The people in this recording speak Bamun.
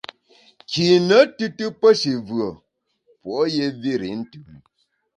Kine tùtù pe shi vùe, puo’ yé vir i ntùm.